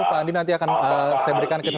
pak andi nanti akan saya berikan kesempatan